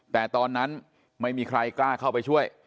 แต่ตอนนั้นไม่มีใครกล้าเข้าไปช่วย